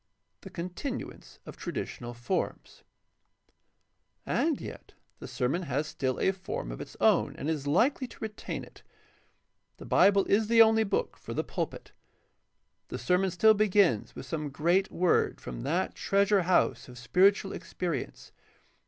The continuance of traditional forms. — And yet the sermon has still a form of its own and is likely to retain it. The Bible is the only book for the pulpit. The sermon still begins with some great word from that treasure house of spiritual experience.